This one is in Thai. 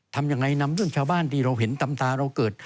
ทำยังไงนำเรื่องชาวบ้านที่เราเห็นตำตาเราเกิด